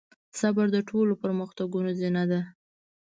صبر د ټولو پرمختګونو زينه ده.